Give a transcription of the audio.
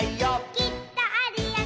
「きっとあるよね」